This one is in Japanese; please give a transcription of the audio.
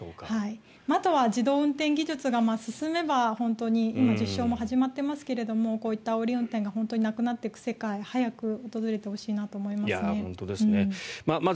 あとは、自動運転技術が進めば今、実証も始まっていますがこういったあおり運転がなくなっていく世界が早く訪れてほしいなと思います。